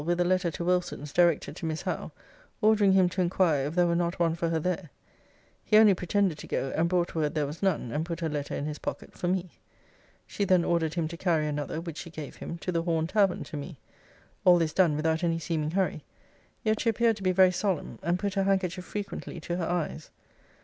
with a letter to Wilson's, directed to Miss Howe, ordering him to inquire if there were not one for her there. 'He only pretended to go, and brought word there was none; and put her letter in his pocket for me. 'She then ordered him to carry another (which she gave him) to the Horn Tavern to me. All this done without any seeming hurry: yet she appeared to be very solemn; and put her handkerchief frequently to her eyes.